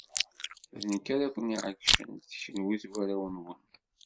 D nekk ara ken-iɛeggcen, s kenwi s warraw-nwen.